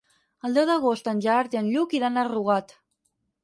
El deu d'agost en Gerard i en Lluc iran a Rugat.